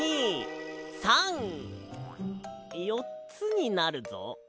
１２３よっつになるぞ。